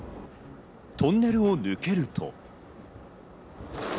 トンネルを抜けると。